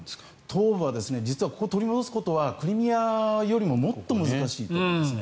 東部を取り戻すことはクリミアよりももっと難しいと思います。